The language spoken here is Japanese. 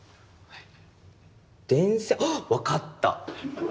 電線あっ分かった。